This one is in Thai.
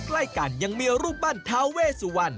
ใกล้กันยังมีรูปปั้นธาว่าเวสวร